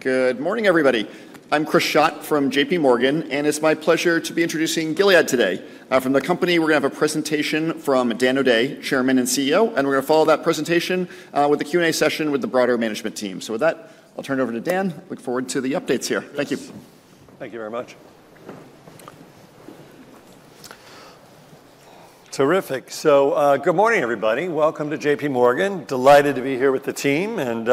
Good morning, everybody. I'm Chris Schott from JPMorgan, and it's my pleasure to be introducing Gilead today. From the company, we're going to have a presentation from Dan O'Day, Chairman and CEO, and we're going to follow that presentation with a Q&A session with the broader management team. So with that, I'll turn it over to Dan. Look forward to the updates here. Thank you. Thank you very much. Terrific. So good morning, everybody. Welcome to JPMorgan. Delighted to be here with the team and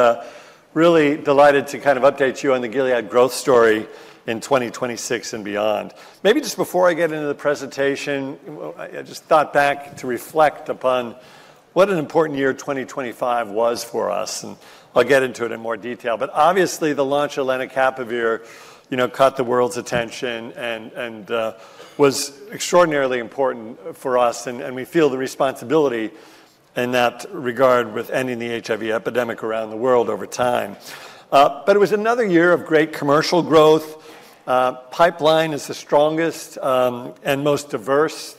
really delighted to kind of update you on the Gilead growth story in 2026 and beyond. Maybe just before I get into the presentation, I just thought back to reflect upon what an important year 2025 was for us, and I'll get into it in more detail. But obviously, the launch of Lenacapavir caught the world's attention and was extraordinarily important for us, and we feel the responsibility in that regard with ending the HIV epidemic around the world over time. But it was another year of great commercial growth. Pipeline is the strongest and most diverse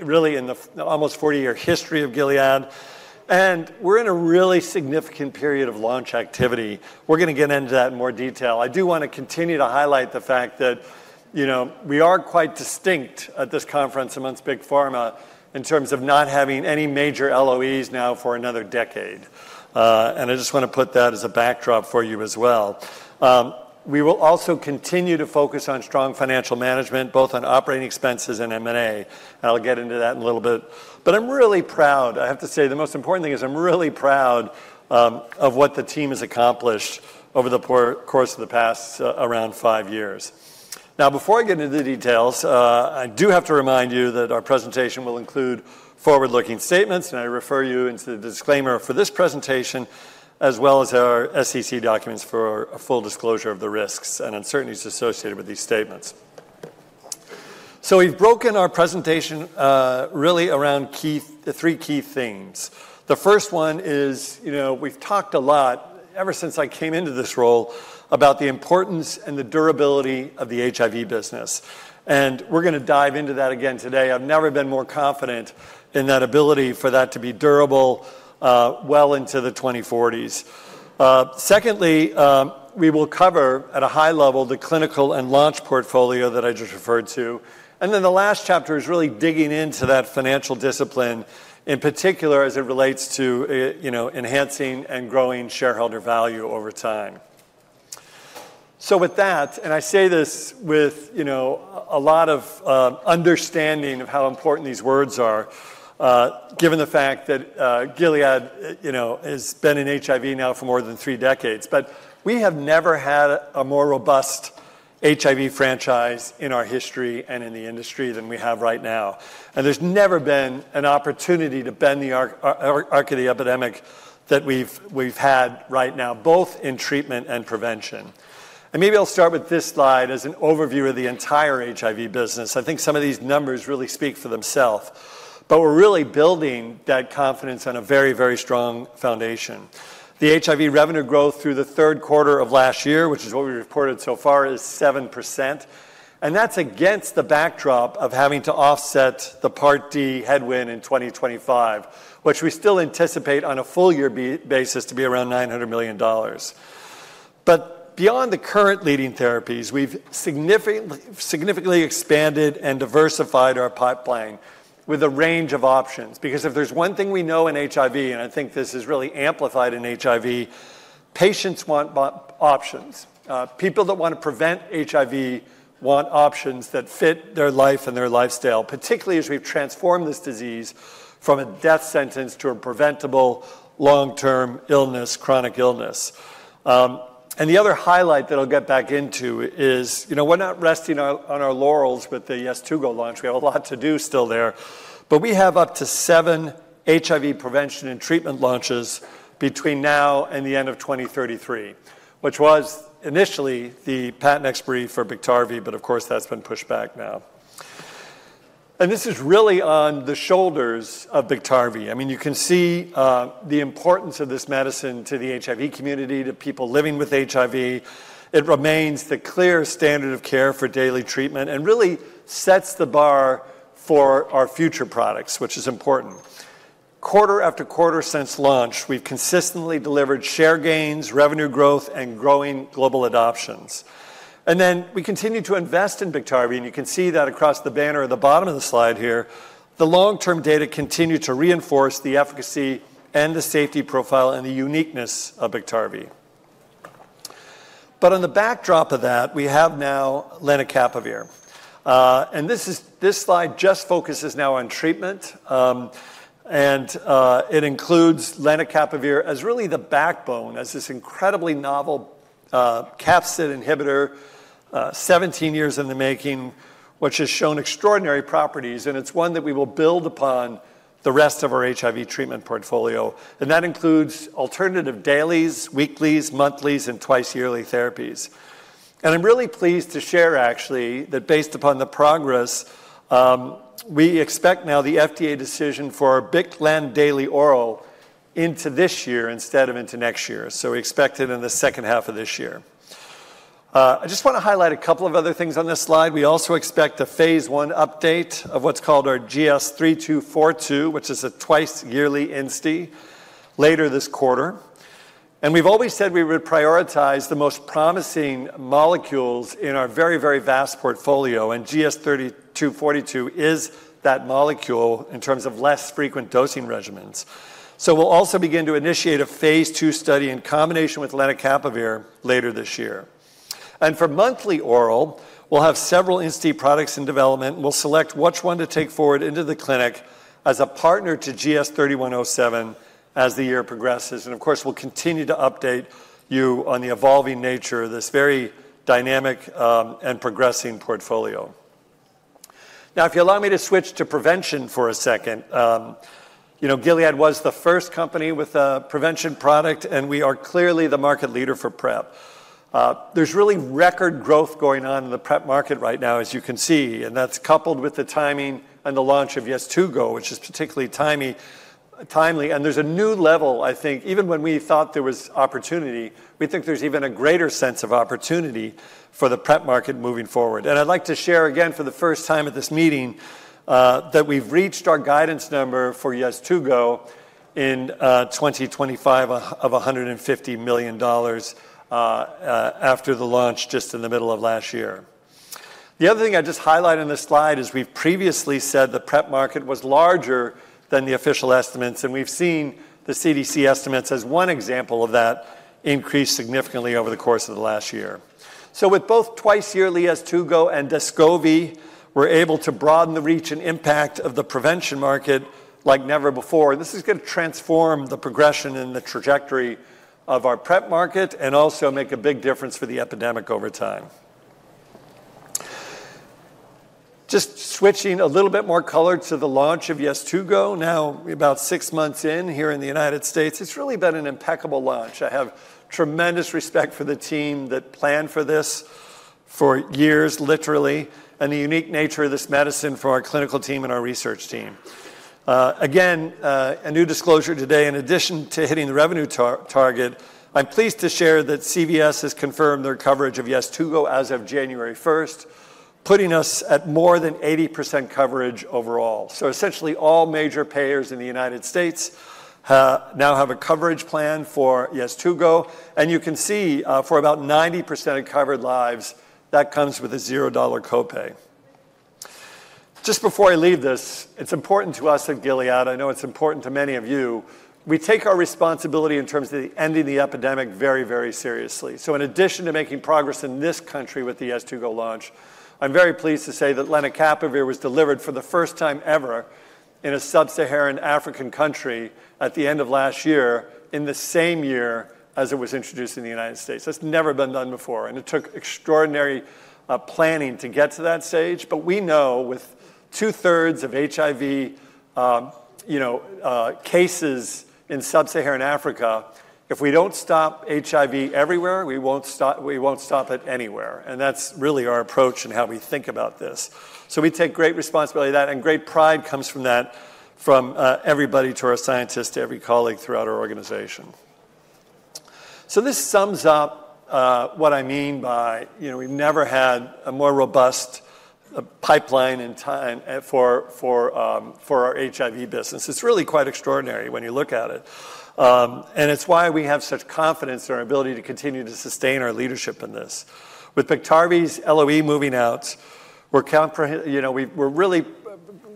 really in the almost 40-year history of Gilead, and we're in a really significant period of launch activity. We're going to get into that in more detail. I do want to continue to highlight the fact that we are quite distinct at this conference amongst big pharma in terms of not having any major LOEs now for another decade, and I just want to put that as a backdrop for you as well. We will also continue to focus on strong financial management, both on operating expenses and M&A, and I'll get into that in a little bit. But I'm really proud, I have to say, the most important thing is I'm really proud of what the team has accomplished over the course of the past around five years. Now, before I get into the details, I do have to remind you that our presentation will include forward-looking statements, and I refer you to the disclaimer for this presentation as well as our SEC documents for a full disclosure of the risks and uncertainties associated with these statements. So we've broken our presentation really around three key things. The first one is we've talked a lot ever since I came into this role about the importance and the durability of the HIV business, and we're going to dive into that again today. I've never been more confident in that ability for that to be durable well into the 2040s. Secondly, we will cover at a high level the clinical and launch portfolio that I just referred to, and then the last chapter is really digging into that financial discipline, in particular as it relates to enhancing and growing shareholder value over time. So with that, and I say this with a lot of understanding of how important these words are, given the fact that Gilead has been in HIV now for more than three decades, but we have never had a more robust HIV franchise in our history and in the industry than we have right now, and there's never been an opportunity to bend the arc of the epidemic that we've had right now, both in treatment and prevention. And maybe I'll start with this slide as an overview of the entire HIV business. I think some of these numbers really speak for themselves, but we're really building that confidence on a very, very strong foundation. The HIV revenue growth through the third quarter of last year, which is what we reported so far, is 7%, and that's against the backdrop of having to offset the Part D headwind in 2025, which we still anticipate on a full-year basis to be around $900 million. But beyond the current leading therapies, we've significantly expanded and diversified our pipeline with a range of options. Because if there's one thing we know in HIV, and I think this is really amplified in HIV, patients want options. People that want to prevent HIV want options that fit their life and their lifestyle, particularly as we've transformed this disease from a death sentence to a preventable long-term chronic illness. And the other highlight that I'll get back into is we're not resting on our laurels with the Yes2Go launch. We have a lot to do still there, but we have up to seven HIV prevention and treatment launches between now and the end of 2033, which was initially the patent expiry for Biktarvy, but of course that's been pushed back now. And this is really on the shoulders of Biktarvy. I mean, you can see the importance of this medicine to the HIV community, to people living with HIV. It remains the clear standard of care for daily treatment and really sets the bar for our future products, which is important. Quarter after quarter since launch, we've consistently delivered share gains, revenue growth, and growing global adoptions. And then we continue to invest in Biktarvy, and you can see that across the banner at the bottom of the slide here. The long-term data continue to reinforce the efficacy and the safety profile and the uniqueness of Biktarvy. But on the backdrop of that, we have now Lenacapavir, and this slide just focuses now on treatment, and it includes Lenacapavir as really the backbone, as this incredibly novel capsid inhibitor, 17 years in the making, which has shown extraordinary properties, and it's one that we will build upon the rest of our HIV treatment portfolio. And that includes alternative dailies, weeklies, monthlies, and twice-yearly therapies. And I'm really pleased to share, actually, that based upon the progress, we expect now the FDA decision for bictegravir/lenacapavir daily oral into this year instead of into next year. So we expect it in the second half of this year. I just want to highlight a couple of other things on this slide. We also expect a phase I update of what's called our GS-3242, which is a twice-yearly INSTI later this quarter. And we've always said we would prioritize the most promising molecules in our very, very vast portfolio, and GS-3242 is that molecule in terms of less frequent dosing regimens. So we'll also begin to initiate a phase II study in combination with lenacapavir later this year. And for monthly oral, we'll have several INSTI products in development. We'll select which one to take forward into the clinic as a partner to GS-3107 as the year progresses. And of course, we'll continue to update you on the evolving nature of this very dynamic and progressing portfolio. Now, if you allow me to switch to prevention for a second, Gilead was the first company with a prevention product, and we are clearly the market leader for PrEP. There's really record growth going on in the PrEP market right now, as you can see, and that's coupled with the timing and the launch of Yes2Go, which is particularly timely. And there's a new level, I think, even when we thought there was opportunity, we think there's even a greater sense of opportunity for the PrEP market moving forward. And I'd like to share again for the first time at this meeting that we've reached our guidance number for Yes2Go in 2025 of $150 million after the launch just in the middle of last year. The other thing I just highlight on this slide is we've previously said the PrEP market was larger than the official estimates, and we've seen the CDC estimates as one example of that increase significantly over the course of the last year. So with both twice-yearly Lenacapavir and Descovy, we're able to broaden the reach and impact of the prevention market like never before. This is going to transform the progression and the trajectory of our PrEP market and also make a big difference for the epidemic over time. Just switching a little bit more color to the launch of Lenacapavir. Now, about six months in here in the United States, it's really been an impeccable launch. I have tremendous respect for the team that planned for this for years, literally, and the unique nature of this medicine for our clinical team and our research team. Again, a new disclosure today, in addition to hitting the revenue target, I'm pleased to share that CVS has confirmed their coverage of Sunlenca as of January 1st, putting us at more than 80% coverage overall, so essentially, all major payers in the United States now have a coverage plan for Sunlenca, and you can see for about 90% of covered lives, that comes with a $0 copay. Just before I leave this, it's important to us at Gilead, I know it's important to many of you, we take our responsibility in terms of ending the epidemic very, very seriously. So in addition to making progress in this country with the Yes2Go launch, I'm very pleased to say that lenacapavir was delivered for the first time ever in a sub-Saharan African country at the end of last year, in the same year as it was introduced in the United States. That's never been done before, and it took extraordinary planning to get to that stage. But we know with two-thirds of HIV cases in sub-Saharan Africa, if we don't stop HIV everywhere, we won't stop it anywhere. And that's really our approach and how we think about this. So we take great responsibility of that, and great pride comes from that from everybody, to our scientists, to every colleague throughout our organization. So this sums up what I mean by we've never had a more robust pipeline for our HIV business. It's really quite extraordinary when you look at it, and it's why we have such confidence in our ability to continue to sustain our leadership in this. With Biktarvy's LOE moving out, we're really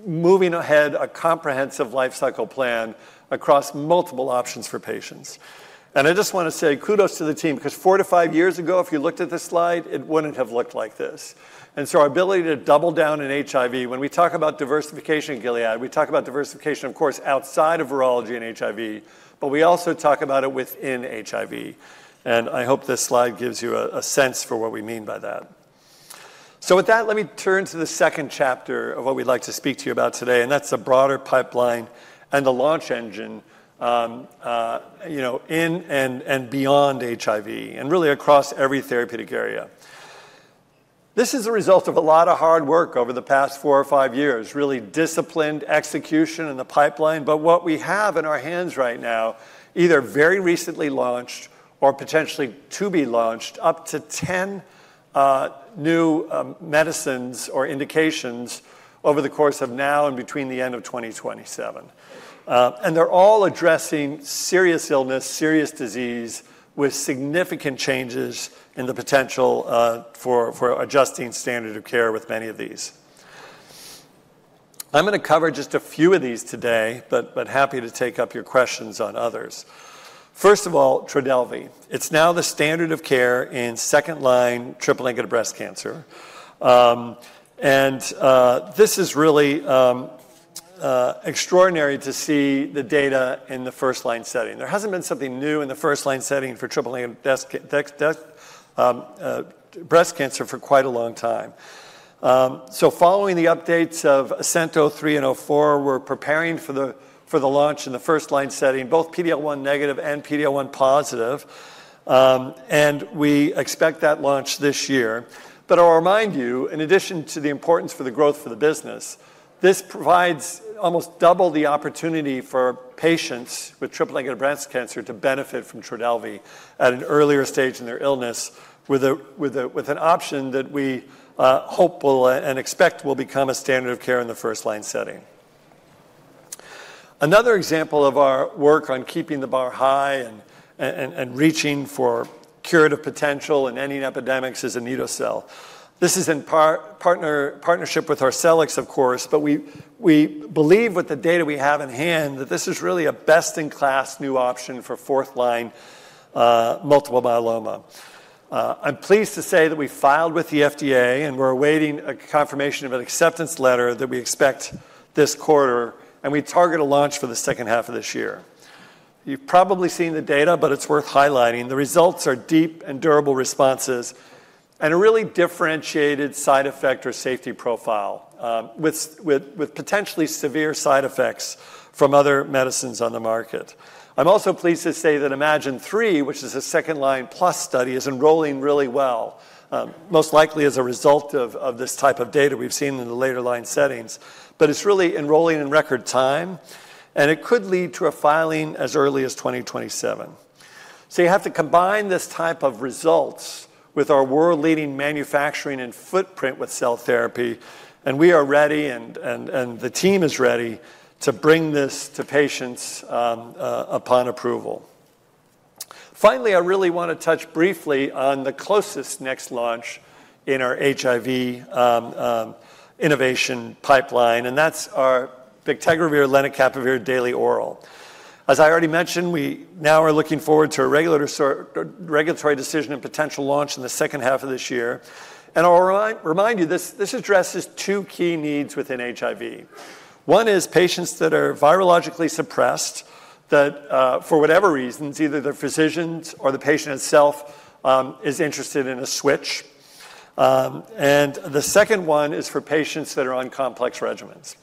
moving ahead a comprehensive life cycle plan across multiple options for patients, and I just want to say kudos to the team, because four to five years ago, if you looked at this slide, it wouldn't have looked like this, and so our ability to double down in HIV, when we talk about diversification at Gilead, we talk about diversification, of course, outside of virology and HIV, but we also talk about it within HIV, and I hope this slide gives you a sense for what we mean by that. So with that, let me turn to the second chapter of what we'd like to speak to you about today, and that's the broader pipeline and the launch engine in and beyond HIV, and really across every therapeutic area. This is a result of a lot of hard work over the past four or five years, really disciplined execution in the pipeline, but what we have in our hands right now, either very recently launched or potentially to be launched, up to 10 new medicines or indications over the course of now and between the end of 2027, and they're all addressing serious illness, serious disease with significant changes in the potential for adjusting standard of care with many of these. I'm going to cover just a few of these today, but happy to take up your questions on others. First of all, Trodelvy. It's now the standard of care in second-line triple-negative breast cancer, and this is really extraordinary to see the data in the first-line setting. There hasn't been something new in the first-line setting for triple-negative breast cancer for quite a long time. So following the updates of ASCENT-03 and ASCENT-04, we're preparing for the launch in the first-line setting, both PD-L1 negative and PD-L1 positive, and we expect that launch this year. But I'll remind you, in addition to the importance for the growth for the business, this provides almost double the opportunity for patients with triple-negative breast cancer to benefit from Trodelvy at an earlier stage in their illness, with an option that we hope and expect will become a standard of care in the first-line setting. Another example of our work on keeping the bar high and reaching for curative potential in any epidemics is Anito-cel. This is in partnership with Arcelix, of course, but we believe with the data we have in hand that this is really a best-in-class new option for fourth-line multiple myeloma. I'm pleased to say that we filed with the FDA and we're awaiting a confirmation of an acceptance letter that we expect this quarter, and we target a launch for the second half of this year. You've probably seen the data, but it's worth highlighting. The results are deep and durable responses and a really differentiated side effect or safety profile with potentially severe side effects from other medicines on the market. I'm also pleased to say that iMMagine-3, which is a second-line plus study, is enrolling really well, most likely as a result of this type of data we've seen in the later-line settings, but it's really enrolling in record time, and it could lead to a filing as early as 2027. So you have to combine this type of results with our world-leading manufacturing and footprint with cell therapy, and we are ready, and the team is ready to bring this to patients upon approval. Finally, I really want to touch briefly on the closest next launch in our HIV innovation pipeline, and that's our Bictegravir/lenacapavir daily oral. As I already mentioned, we now are looking forward to a regulatory decision and potential launch in the second half of this year. I'll remind you, this addresses two key needs within HIV. One is patients that are virologically suppressed that, for whatever reasons, either their physicians or the patient itself is interested in a switch. And the second one is for patients that are on complex regimens.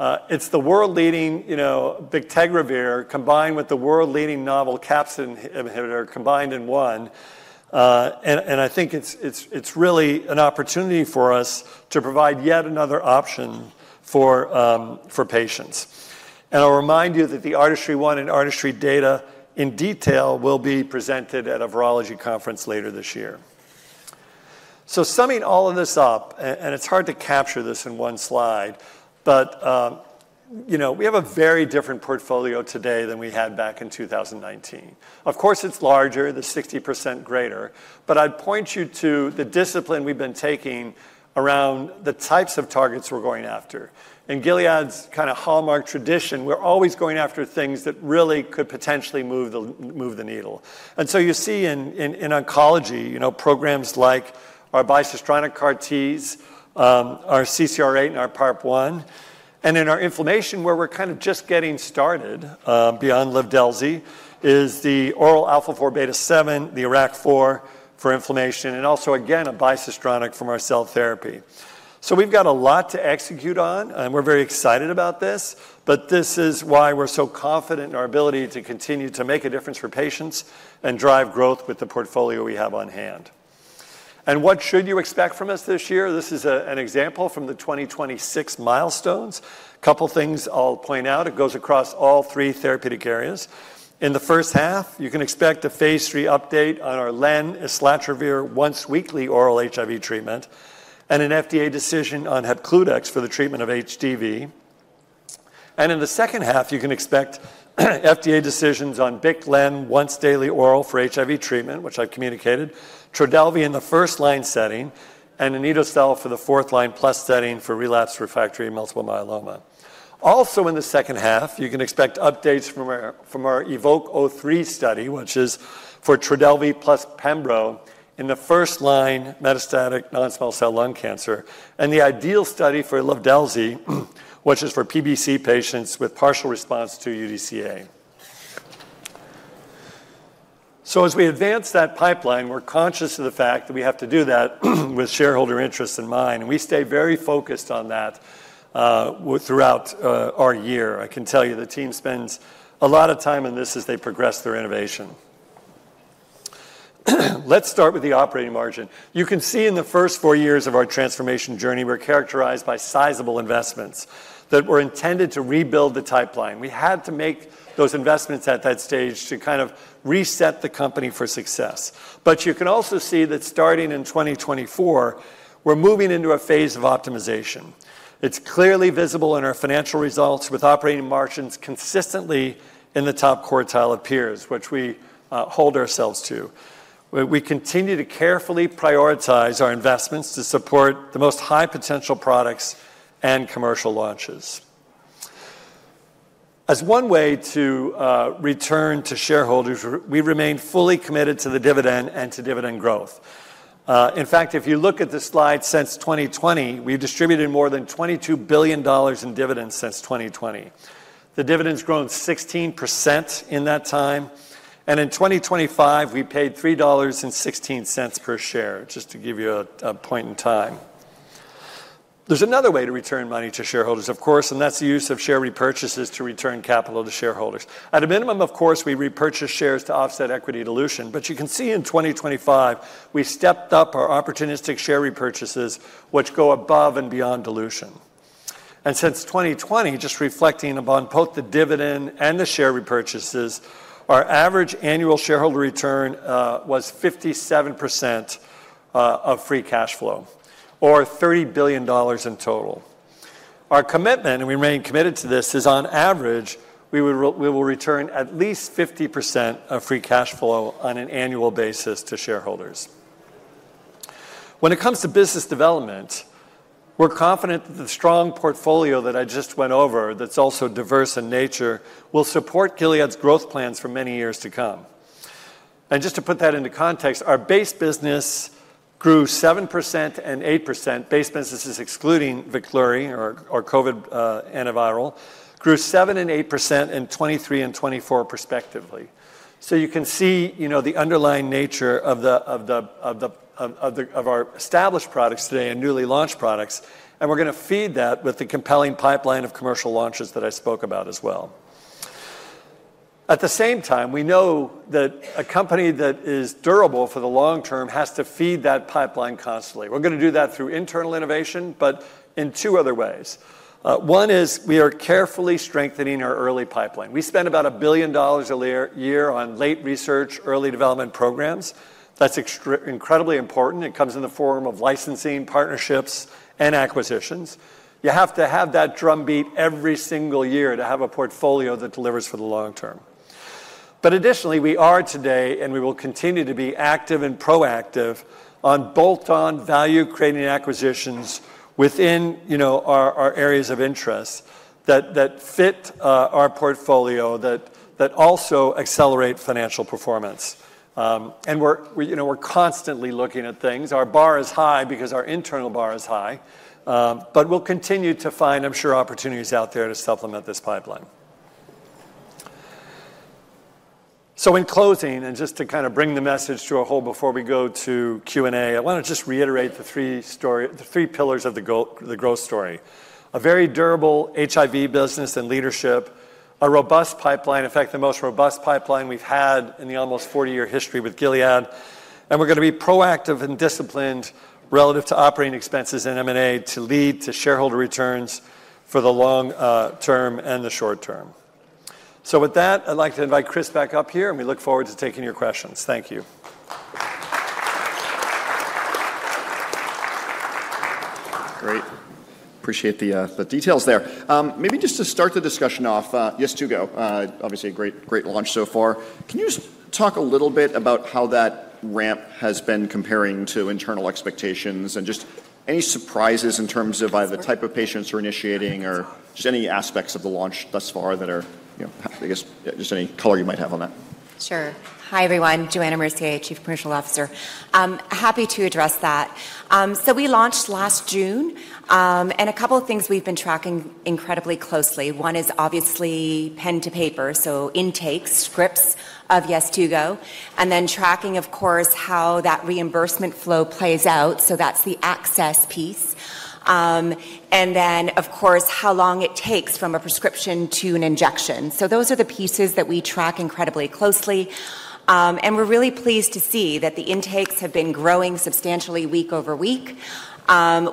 It's the world-leading Bictegravir combined with the world-leading novel capsid inhibitor combined in one, and I think it's really an opportunity for us to provide yet another option for patients. And I'll remind you that the ARTISTRY-1 and ARTISTRY data in detail will be presented at a virology conference later this year. So summing all of this up, and it's hard to capture this in one slide, but we have a very different portfolio today than we had back in 2019. Of course, it's larger, 60% greater, but I'd point you to the discipline we've been taking around the types of targets we're going after. In Gilead's kind of hallmark tradition, we're always going after things that really could potentially move the needle. And so you see in oncology, programs like our bicistronic CAR-Ts, our CCR8, and our PARP1, and in our inflammation, where we're kind of just getting started beyond Livdelzi, is the oral alpha-4 beta-7, the IRAK4 for inflammation, and also, again, a bicistronic from our cell therapy. So we've got a lot to execute on, and we're very excited about this, but this is why we're so confident in our ability to continue to make a difference for patients and drive growth with the portfolio we have on hand. And what should you expect from us this year? This is an example from the 2026 milestones. A couple of things I'll point out. It goes across all three therapeutic areas. In the first half, you can expect a phase III update on our lenacapavir/islatravir once-weekly oral HIV treatment, and an FDA decision on Hepcludex for the treatment of HDV. And in the second half, you can expect FDA decisions on bictegravir/lenacapavir once-daily oral for HIV treatment, which I've communicated, Trodelvy in the first-line setting, and Anito-cel for the fourth-line plus setting for relapsed/refractory multiple myeloma. Also, in the second half, you can expect updates from our EVOKE-03 study, which is for Trodelvy plus Pembro in the first-line metastatic non-small cell lung cancer, and the ideal study for Livdelzi, which is for PBC patients with partial response to UDCA. So as we advance that pipeline, we're conscious of the fact that we have to do that with shareholder interests in mind, and we stay very focused on that throughout our year. I can tell you the team spends a lot of time in this as they progress their innovation. Let's start with the operating margin. You can see in the first four years of our transformation journey, we're characterized by sizable investments that were intended to rebuild the pipeline. We had to make those investments at that stage to kind of reset the company for success. But you can also see that starting in 2024, we're moving into a phase of optimization. It's clearly visible in our financial results with operating margins consistently in the top quartile of peers, which we hold ourselves to. We continue to carefully prioritize our investments to support the most high-potential products and commercial launches. As one way to return to shareholders, we remain fully committed to the dividend and to dividend growth. In fact, if you look at the slide since 2020, we've distributed more than $22 billion in dividends since 2020. The dividends grown 16% in that time, and in 2025, we paid $3.16 per share, just to give you a point in time. There's another way to return money to shareholders, of course, and that's the use of share repurchases to return capital to shareholders. At a minimum, of course, we repurchase shares to offset equity dilution, but you can see in 2025, we stepped up our opportunistic share repurchases, which go above and beyond dilution. And since 2020, just reflecting upon both the dividend and the share repurchases, our average annual shareholder return was 57% of free cash flow, or $30 billion in total. Our commitment, and we remain committed to this, is on average, we will return at least 50% of free cash flow on an annual basis to shareholders. When it comes to business development, we're confident that the strong portfolio that I just went over, that's also diverse in nature, will support Gilead's growth plans for many years to come. And just to put that into context, our base business grew 7% and 8%, base businesses excluding Veklury, our COVID antiviral, grew 7% and 8% in 2023 and 2024, respectively. So you can see the underlying nature of our established products today and newly launched products, and we're going to feed that with the compelling pipeline of commercial launches that I spoke about as well. At the same time, we know that a company that is durable for the long term has to feed that pipeline constantly. We're going to do that through internal innovation, but in two other ways. One is we are carefully strengthening our early pipeline. We spend about $1 billion a year on late research, early development programs. That's incredibly important. It comes in the form of licensing, partnerships, and acquisitions. You have to have that drumbeat every single year to have a portfolio that delivers for the long term, but additionally, we are today, and we will continue to be active and proactive on bolt-on value-creating acquisitions within our areas of interest that fit our portfolio, that also accelerate financial performance, and we're constantly looking at things. Our bar is high because our internal bar is high, but we'll continue to find, I'm sure, opportunities out there to supplement this pipeline. So in closing, and just to kind of bring the message to a close before we go to Q&A, I want to just reiterate the three pillars of the growth story: a very durable HIV business and leadership, a robust pipeline, in fact, the most robust pipeline we've had in the almost 40-year history with Gilead, and we're going to be proactive and disciplined relative to operating expenses and M&A to lead to shareholder returns for the long term and the short term. So with that, I'd like to invite Chris back up here, and we look forward to taking your questions. Thank you. Great. Appreciate the details there. Maybe just to start the discussion off, Yes2Go. Obviously, a great launch so far. Can you just talk a little bit about how that ramp has been comparing to internal expectations and just any surprises in terms of either the type of patients we're initiating or just any aspects of the launch thus far that are, I guess, just any color you might have on that? Sure. Hi, everyone. Johanna Mercier, Chief Commercial Officer. Happy to address that. So we launched last June, and a couple of things we've been tracking incredibly closely. One is obviously pen to paper, so intakes, scripts of Yes2Go, and then tracking, of course, how that reimbursement flow plays out. So that's the access piece. And then, of course, how long it takes from a prescription to an injection. So those are the pieces that we track incredibly closely. And we're really pleased to see that the intakes have been growing substantially week over week.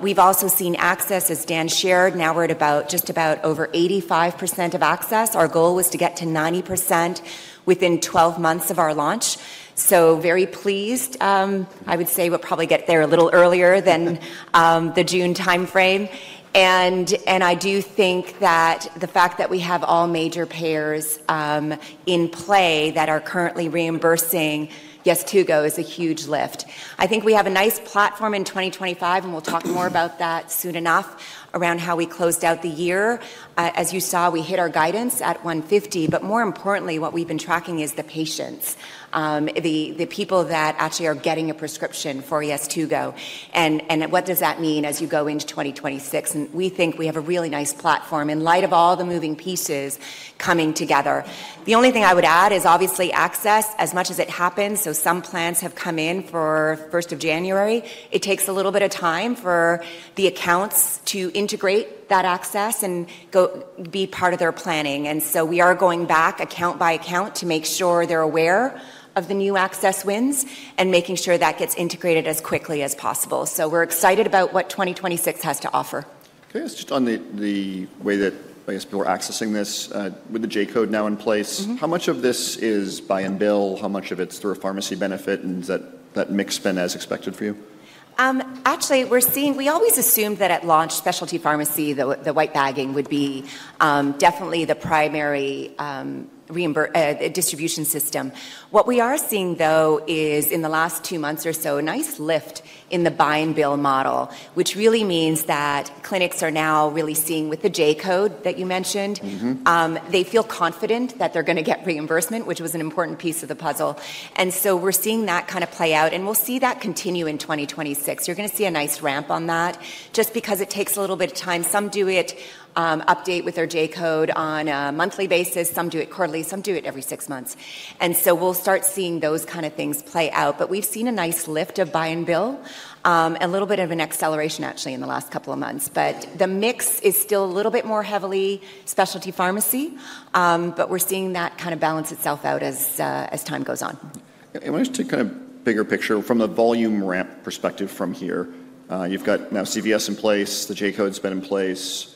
We've also seen access, as Dan shared, now we're at just about over 85% of access. Our goal was to get to 90% within 12 months of our launch. So very pleased, I would say we'll probably get there a little earlier than the June timeframe. And I do think that the fact that we have all major payers in play that are currently reimbursing Yes2Go is a huge lift. I think we have a nice platform in 2025, and we'll talk more about that soon enough around how we closed out the year. As you saw, we hit our guidance at 150, but more importantly, what we've been tracking is the patients, the people that actually are getting a prescription for Yes2Go. And what does that mean as you go into 2026? And we think we have a really nice platform in light of all the moving pieces coming together. The only thing I would add is obviously access, as much as it happens. So some plans have come in for 1st of January. It takes a little bit of time for the accounts to integrate that access and be part of their planning, and so we are going back account by account to make sure they're aware of the new access wins and making sure that gets integrated as quickly as possible, so we're excited about what 2026 has to offer. Just on the way that, I guess, people are accessing this with the J-code now in place, how much of this is buy-and-bill? How much of it's through a pharmacy benefit? And is that mix has been as expected for you? Actually, we always assumed that at launch, specialty pharmacy, the white bagging would be definitely the primary distribution system. What we are seeing, though, is in the last two months or so, a nice lift in the buy-and-bill model, which really means that clinics are now really seeing with the J-code that you mentioned, they feel confident that they're going to get reimbursement, which was an important piece of the puzzle. So we're seeing that kind of play out, and we'll see that continue in 2026. You're going to see a nice ramp on that just because it takes a little bit of time. Some do it update with their J-code on a monthly basis. Some do it quarterly. Some do it every six months. So we'll start seeing those kinds of things play out. But we've seen a nice lift of buy-and-bill, a little bit of an acceleration actually in the last couple of months. But the mix is still a little bit more heavily specialty pharmacy, but we're seeing that kind of balance itself out as time goes on. And just to kind of bigger picture from the volume ramp perspective from here, you've got now CVS in place. The J-code's been in place.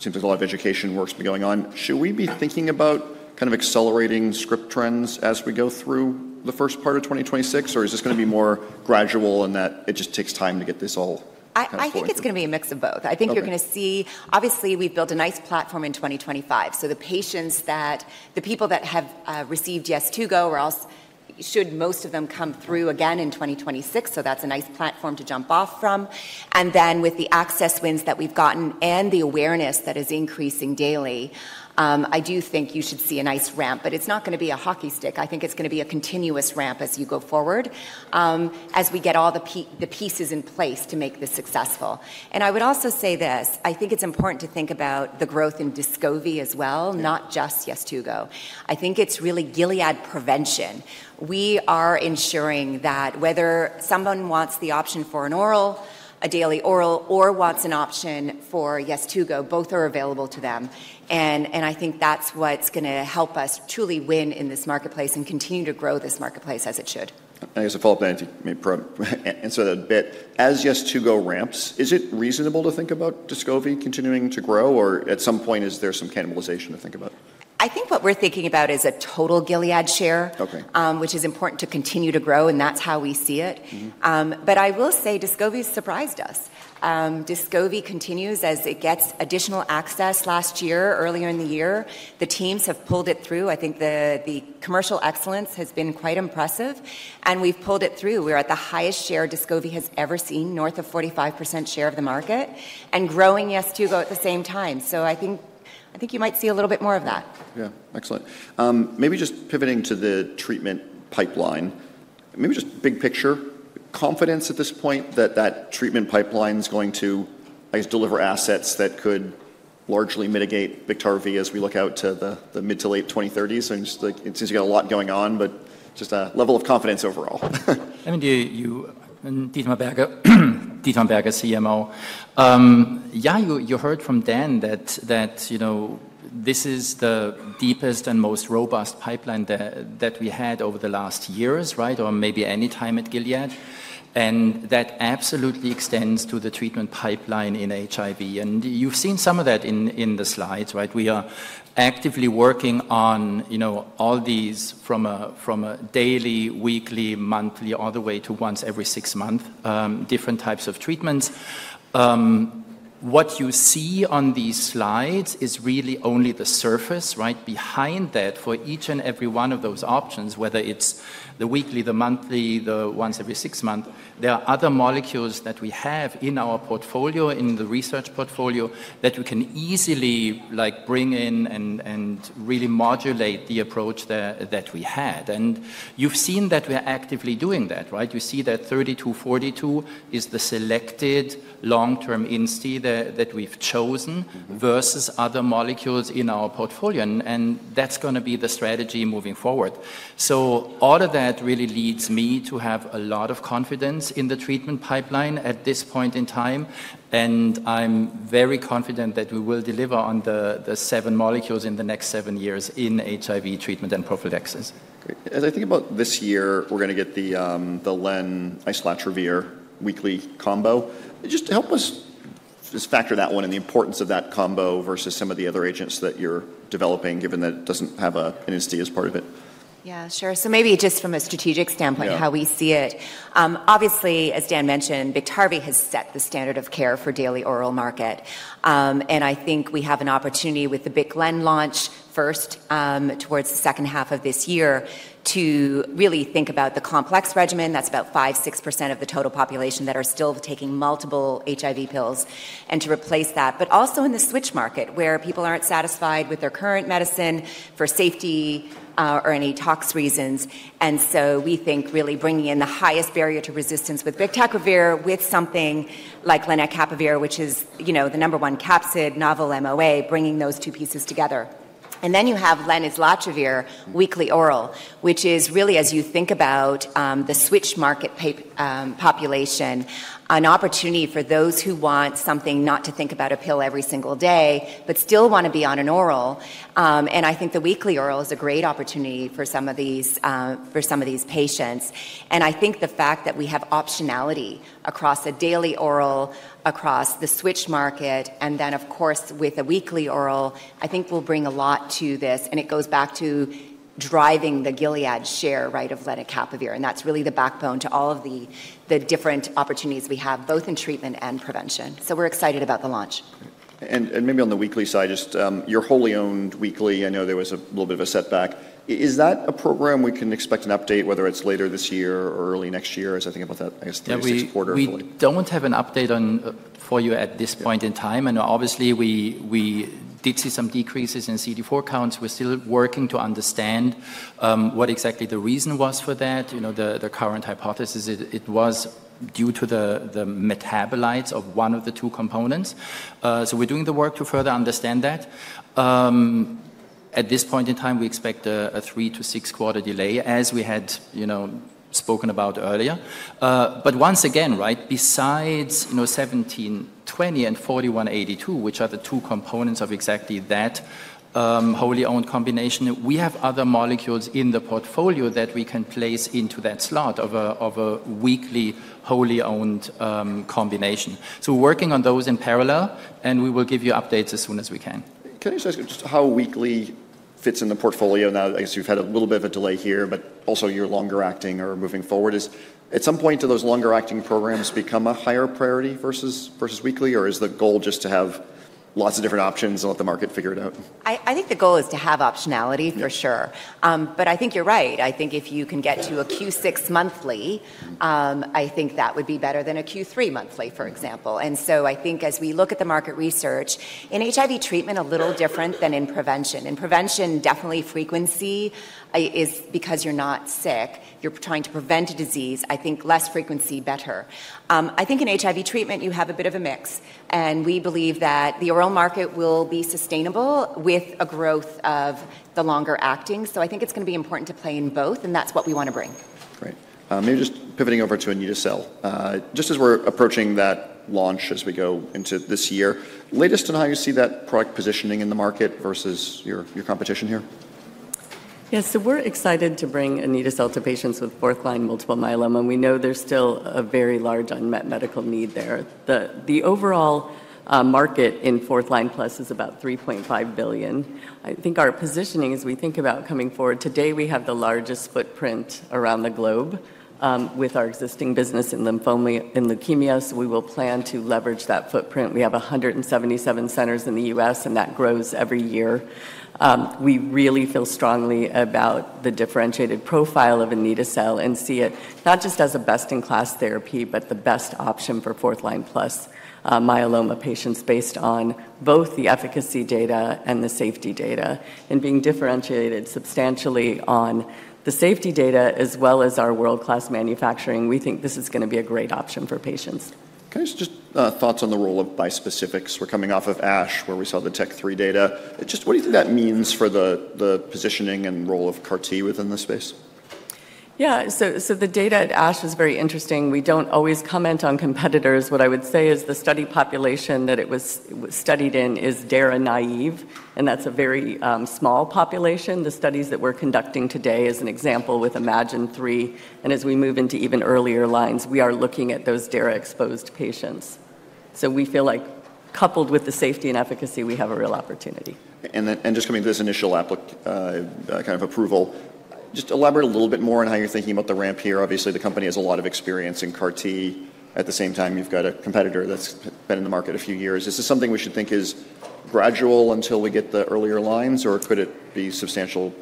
It seems like a lot of education work's been going on. Should we be thinking about kind of accelerating script trends as we go through the first part of 2026, or is this going to be more gradual in that it just takes time to get this all? I think it's going to be a mix of both. I think you're going to see, obviously, we've built a nice platform in 2025 so the patients that have received Truvada or Descovy should most of them come through again in 2026, so that's a nice platform to jump off from, and then with the access wins that we've gotten and the awareness that is increasing daily, I do think you should see a nice ramp, but it's not going to be a hockey stick. I think it's going to be a continuous ramp as you go forward as we get all the pieces in place to make this successful, and I would also say this. I think it's important to think about the growth in Descovy as well, not just Truvada. I think it's really Gilead Prevention. We are ensuring that whether someone wants the option for an oral, a daily oral, or wants an option for yes, to go, both are available to them, and I think that's what's going to help us truly win in this marketplace and continue to grow this marketplace as it should. As a follow-up, maybe answer that a bit. And yes, to growth ramps, is it reasonable to think about Descovy continuing to grow, or at some point, is there some cannibalization to think about? I think what we're thinking about is a total Gilead share, which is important to continue to grow, and that's how we see it. But I will say Descovy surprised us. Descovy continues as it gets additional access last year, earlier in the year. The teams have pulled it through. I think the commercial excellence has been quite impressive, and we've pulled it through. We're at the highest share Descovy has ever seen, north of 45% share of the market and growing, yes, to go at the same time. So I think you might see a little bit more of that. Yeah. Excellent. Maybe just pivoting to the treatment pipeline. Maybe just big picture, confidence at this point that that treatment pipeline is going to, I guess, deliver assets that could largely mitigate Biktarvy as we look out to the mid to late 2030s. And it seems you got a lot going on, but just a level of confidence overall. I'm Merdad Parsey, CMO. Yeah, you heard from Dan that this is the deepest and most robust pipeline that we had over the last years, right, or maybe any time at Gilead, and that absolutely extends to the treatment pipeline in HIV. And you've seen some of that in the slides, right? We are actively working on all these from a daily, weekly, monthly, all the way to once every six months, different types of treatments. What you see on these slides is really only the surface, right? Behind that, for each and every one of those options, whether it's the weekly, the monthly, the once every six months, there are other molecules that we have in our portfolio, in the research portfolio that we can easily bring in and really modulate the approach that we had. And you've seen that we're actively doing that, right? You see that GS-3242 is the selected long-term INSTI that we've chosen versus other molecules in our portfolio, and that's going to be the strategy moving forward. So all of that really leads me to have a lot of confidence in the treatment pipeline at this point in time, and I'm very confident that we will deliver on the seven molecules in the next seven years in HIV treatment and prophylaxis. As I think about this year, we're going to get the Lenacapavir/islatravir weekly combo. Just help us just factor that one and the importance of that combo versus some of the other agents that you're developing, given that it doesn't have an INSTI as part of it. Yeah, sure. So maybe just from a strategic standpoint, how we see it. Obviously, as Dan mentioned, Biktarvy has set the standard of care for daily oral market. And I think we have an opportunity with the Bic/Len launch first towards the second half of this year to really think about the complex regimen. That's about 5%-6% of the total population that are still taking multiple HIV pills and to replace that, but also in the switch market where people aren't satisfied with their current medicine for safety or any tox reasons. And so we think really bringing in the highest barrier to resistance with Bictegravir with something like lenacapavir, which is the number one capsid, novel MOA, bringing those two pieces together. And then you have Lenacapavir/islatravir weekly oral, which is really, as you think about the switch market population, an opportunity for those who want something not to think about a pill every single day, but still want to be on an oral. And I think the weekly oral is a great opportunity for some of these patients. And I think the fact that we have optionality across a daily oral, across the switch market, and then, of course, with a weekly oral, I think will bring a lot to this. And it goes back to driving the Gilead share, right, of Lenacapavir. And that's really the backbone to all of the different opportunities we have, both in treatment and prevention. So we're excited about the launch. And maybe on the weekly side, just your wholly owned weekly. I know there was a little bit of a setback. Is that a program we can expect an update, whether it's later this year or early next year, as I think about that, I guess, next quarter? We don't have an update for you at this point in time and obviously, we did see some decreases in CD4 counts. We're still working to understand what exactly the reason was for that. The current hypothesis, it was due to the metabolites of one of the two components. So we're doing the work to further understand that. At this point in time, we expect a three- to six-quarter delay, as we had spoken about earlier but once again, right, besides 1720 and 4182, which are the two components of exactly that wholly owned combination, we have other molecules in the portfolio that we can place into that slot of a weekly wholly owned combination so we're working on those in parallel, and we will give you updates as soon as we can. Can I just ask how weekly fits in the portfolio? Now, I guess you've had a little bit of a delay here, but also you're longer acting or moving forward. At some point, do those longer acting programs become a higher priority versus weekly, or is the goal just to have lots of different options and let the market figure it out? I think the goal is to have optionality for sure, but I think you're right. I think if you can get to a Q6 monthly, I think that would be better than a Q3 monthly, for example, and so I think as we look at the market research, in HIV treatment, a little different than in prevention. In prevention, definitely frequency is because you're not sick. You're trying to prevent a disease. I think less frequency, better. I think in HIV treatment, you have a bit of a mix, and we believe that the oral market will be sustainable with a growth of the longer acting, so I think it's going to be important to play in both, and that's what we want to bring. Great. Maybe just pivoting over to Anito-cel, just as we're approaching that launch as we go into this year, latest on how you see that product positioning in the market versus your competition here? Yeah, so we're excited to bring Anito-cel to patients with fourth line multiple myeloma. We know there's still a very large unmet medical need there. The overall market in fourth line plus is about $3.5 billion. I think our positioning as we think about coming forward, today we have the largest footprint around the globe with our existing business in leukemia. So we will plan to leverage that footprint. We have 177 centers in the U.S., and that grows every year. We really feel strongly about the differentiated profile of Anito-cel and see it not just as a best-in-class therapy, but the best option for fourth line plus myeloma patients based on both the efficacy data and the safety data, and being differentiated substantially on the safety data as well as our world-class manufacturing, we think this is going to be a great option for patients. Can I just thoughts on the role of bispecifics? We're coming off of ASH, where we saw the TEC-3 data. Just what do you think that means for the positioning and role of CAR-T within the space? Yeah, so the data at ASH was very interesting. We don't always comment on competitors. What I would say is the study population that it was studied in is DARA-naive, and that's a very small population. The studies that we're conducting today is an example with iMMagine-3. And as we move into even earlier lines, we are looking at those DARA-exposed patients. So we feel like coupled with the safety and efficacy, we have a real opportunity. Just coming to this initial kind of approval, just elaborate a little bit more on how you're thinking about the ramp here. Obviously, the company has a lot of experience in CAR-T. At the same time, you've got a competitor that's been in the market a few years. Is this something we should think is gradual until we get the earlier lines, or could it be substantial?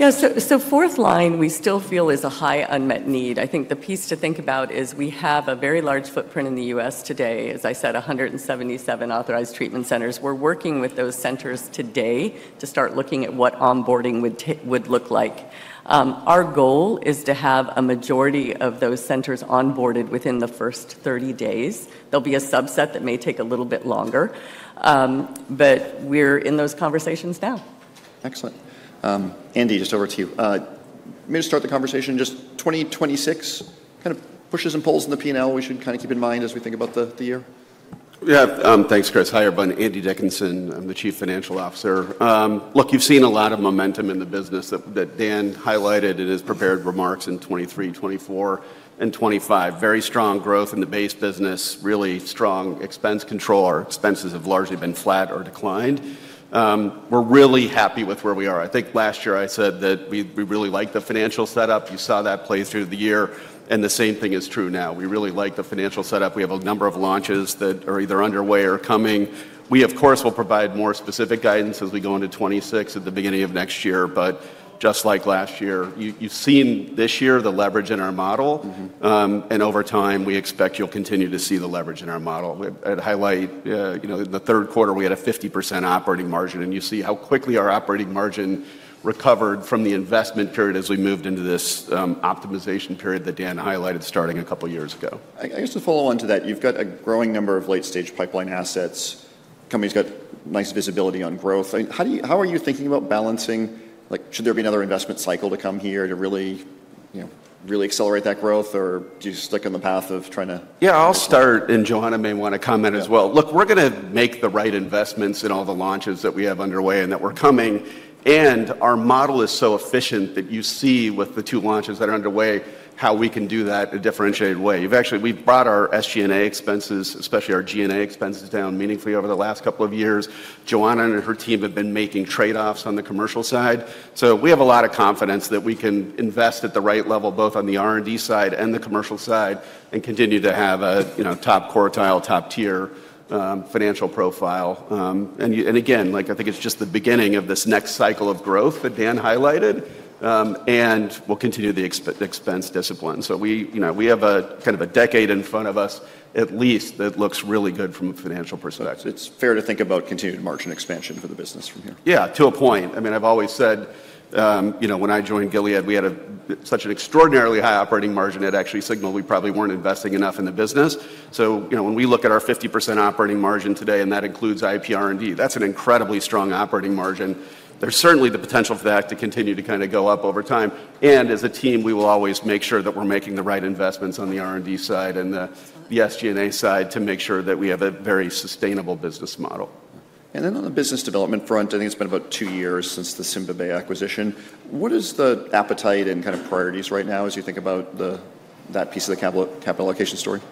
Yeah, so fourth line, we still feel is a high unmet need. I think the piece to think about is we have a very large footprint in the U.S. today. As I said, 177 authorized treatment centers. We're working with those centers today to start looking at what onboarding would look like. Our goal is to have a majority of those centers onboarded within the first 30 days. There'll be a subset that may take a little bit longer, but we're in those conversations now. Excellent. Andy, just over to you. Maybe to start the conversation, just 2026 kind of pushes and pulls in the P&L we should kind of keep in mind as we think about the year. Yeah, thanks, Chris. Hi, everyone. Andy Dickinson. I'm the Chief Financial Officer. Look, you've seen a lot of momentum in the business that Dan highlighted in his prepared remarks in 2023, 2024, and 2025. Very strong growth in the base business, really strong expense control. Our expenses have largely been flat or declined. We're really happy with where we are. I think last year I said that we really liked the financial setup. You saw that play through the year, and the same thing is true now. We really liked the financial setup. We have a number of launches that are either underway or coming. We, of course, will provide more specific guidance as we go into 2026 at the beginning of next year, but just like last year, you've seen this year the leverage in our model, and over time, we expect you'll continue to see the leverage in our model. I'd highlight in the third quarter, we had a 50% operating margin, and you see how quickly our operating margin recovered from the investment period as we moved into this optimization period that Dan highlighted starting a couple of years ago. I guess to follow on to that, you've got a growing number of late-stage pipeline assets. The company's got nice visibility on growth. How are you thinking about balancing? Should there be another investment cycle to come here to really accelerate that growth, or do you stick on the path of trying to? Yeah, I'll start, and Johanna may want to comment as well. Look, we're going to make the right investments in all the launches that we have underway and that we're coming. And our model is so efficient that you see with the two launches that are underway how we can do that in a differentiated way. We've brought our SG&A expenses, especially our G&A expenses, down meaningfully over the last couple of years. Johanna and her team have been making trade-offs on the commercial side. So we have a lot of confidence that we can invest at the right level, both on the R&D side and the commercial side, and continue to have a top quartile, top tier financial profile. And again, I think it's just the beginning of this next cycle of growth that Dan highlighted, and we'll continue the expense discipline. So we have a kind of a decade in front of us at least that looks really good from a financial perspective. It's fair to think about continued margin expansion for the business from here. Yeah, to a point. I mean, I've always said when I joined Gilead, we had such an extraordinarily high operating margin. It actually signaled we probably weren't investing enough in the business. So when we look at our 50% operating margin today, and that includes IPR&D, that's an incredibly strong operating margin. There's certainly the potential for that to continue to kind of go up over time. And as a team, we will always make sure that we're making the right investments on the R&D side and the SG&A side to make sure that we have a very sustainable business model. Then on the business development front, I think it's been about two years since the CymaBay acquisition. What is the appetite and kind of priorities right now as you think about that piece of the capital allocation story?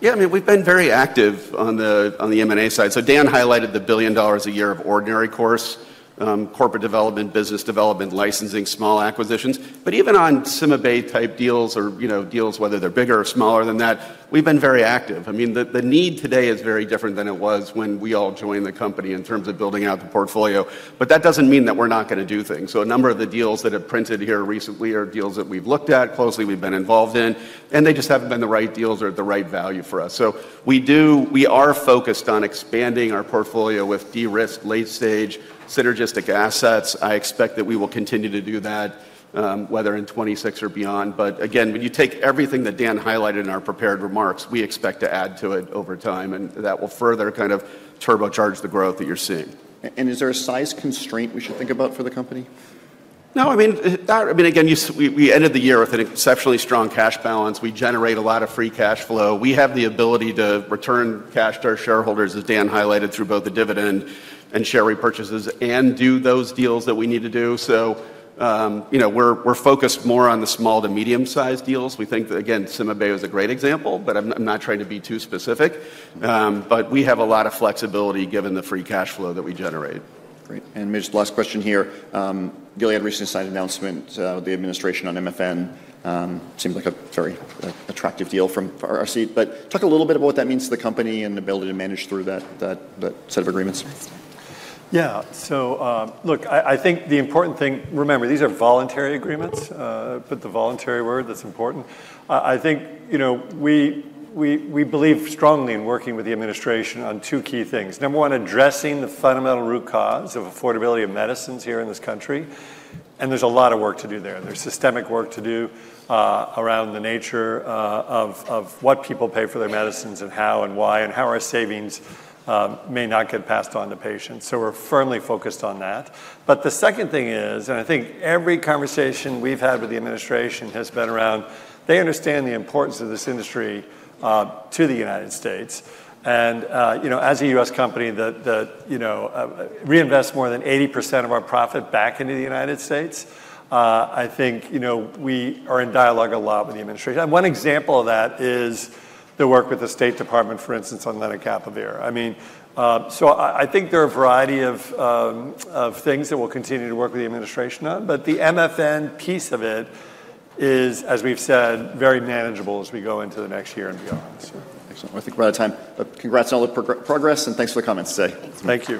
Yeah, I mean, we've been very active on the M&A side. So Dan highlighted the $1 billion a year of ordinary course, corporate development, business development, licensing, small acquisitions. But even on CymaBay type deals or deals, whether they're bigger or smaller than that, we've been very active. I mean, the need today is very different than it was when we all joined the company in terms of building out the portfolio, but that doesn't mean that we're not going to do things. So a number of the deals that have printed here recently are deals that we've looked at closely, we've been involved in, and they just haven't been the right deals or at the right value for us. So we are focused on expanding our portfolio with de-risked late-stage synergistic assets. I expect that we will continue to do that, whether in 2026 or beyond. But again, when you take everything that Dan highlighted in our prepared remarks, we expect to add to it over time, and that will further kind of turbocharge the growth that you're seeing. Is there a size constraint we should think about for the company? No, I mean, again, we ended the year with an exceptionally strong cash balance. We generate a lot of free cash flow. We have the ability to return cash to our shareholders, as Dan highlighted through both the dividend and share repurchases, and do those deals that we need to do. So we're focused more on the small to medium-sized deals. We think that, again, CymaBay is a great example, but I'm not trying to be too specific. But we have a lot of flexibility given the free cash flow that we generate. Great. And just last question here. Gilead recently signed an announcement with the administration on MFN. Seems like a very attractive deal from our seat. But talk a little bit about what that means to the company and the ability to manage through that set of agreements. Yeah, so look. I think the important thing, remember, these are voluntary agreements, but the voluntary word that's important. I think we believe strongly in working with the administration on two key things. Number one, addressing the fundamental root cause of affordability of medicines here in this country, and there's a lot of work to do there. There's systemic work to do around the nature of what people pay for their medicines and how and why, and how our savings may not get passed on to patients. So we're firmly focused on that, but the second thing is, and I think every conversation we've had with the administration has been around, they understand the importance of this industry to the United States. As a U.S. company that reinvests more than 80% of our profit back into the United States, I think we are in dialogue a lot with the administration. One example of that is the work with the State Department, for instance, on Lenacapavir. I mean, so I think there are a variety of things that we'll continue to work with the administration on. The MFN piece of it is, as we've said, very manageable as we go into the next year and beyond. Excellent. I think we're out of time. But congrats on all the progress and thanks for the comments today. Thank you.